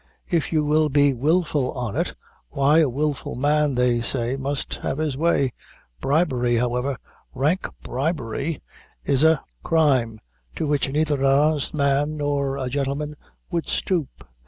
If you will be wilful on it, why a wilful man, they say, must have his way. Bribery, however rank bribery is a " "Crime to which neither an honest man nor a gentleman would stoop.